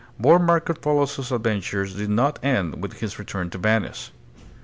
But Marco Polo's adventures did not end with his return to Venice.